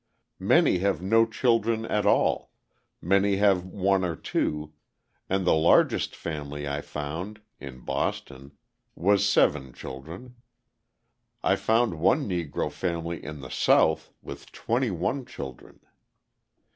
Many have no children at all, many have one or two, and the largest family I found (in Boston) was seven children. I found one Negro family in the South with twenty one children!